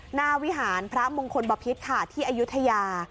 วิหารพระมงคลบพิษค่ะที่อายุทยา